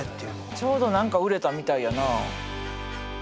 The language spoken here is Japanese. ちょうど何か売れたみたいやな。